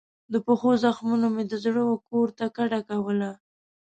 د پښو زخمونو مې د زړه وکور ته کډه کول